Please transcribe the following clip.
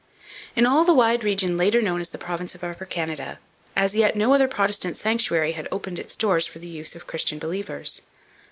In all the wide region later known as the province of Upper Canada, as yet no other Protestant sanctuary had opened its doors for the use of Christian believers.